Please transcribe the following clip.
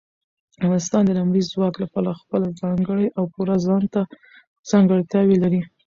افغانستان د لمریز ځواک له پلوه خپله ځانګړې او پوره ځانته ځانګړتیاوې لري.